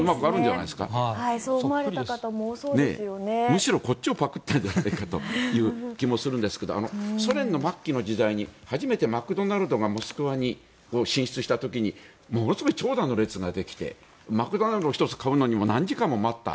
むしろこっちをパクったんじゃないかという気もするんですがソ連の末期の時代に初めてマクドナルドがモスクワに進出した時にものすごい長蛇の列ができてマクドナルド１つを買うのに何時間も待った。